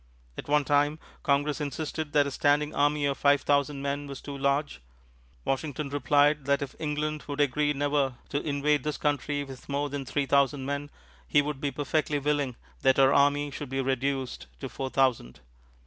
At one time, Congress insisted that a standing army of five thousand men was too large; Washington replied that if England would agree never to invade this country with more than three thousand men, he would be perfectly willing that our army should be reduced to four thousand.